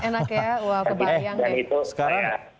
enak ya wah kebanyakan